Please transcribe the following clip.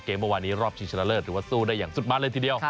เมื่อวานนี้รอบชิงชนะเลิศถือว่าสู้ได้อย่างสุดมันเลยทีเดียว